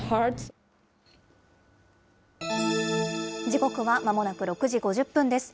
時刻はまもなく６時５０分です。